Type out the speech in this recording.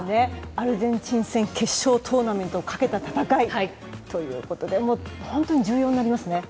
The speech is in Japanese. アルゼンチン戦決勝トーナメントをかけた戦いということで本当に重要になりますね。